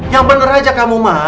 yang bener aja kamu mah